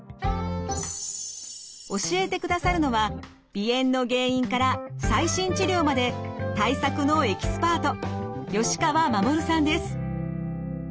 教えてくださるのは鼻炎の原因から最新治療まで対策のエキスパート